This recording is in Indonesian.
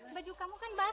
baju kamu kan basah